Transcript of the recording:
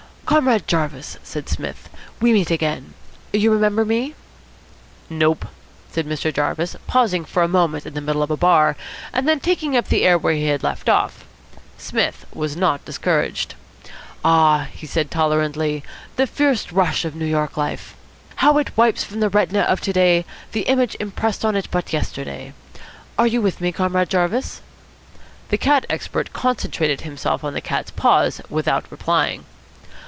"Comrade Jarvis," said Psmith, "we meet again. You remember me?" "Nope," said Mr. Jarvis, pausing for a moment in the middle of a bar, and then taking up the air where he had left off. Psmith was not discouraged. "Ah," he said tolerantly, "the fierce rush of New York life. How it wipes from the retina of to day the image impressed on it but yesterday. Are you with me, Comrade Jarvis?" The cat expert concentrated himself on the cat's paws without replying.